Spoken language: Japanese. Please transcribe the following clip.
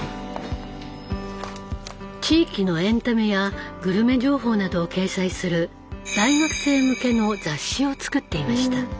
地域のエンタメやグルメ情報などを掲載する大学生向けの雑誌を作っていました。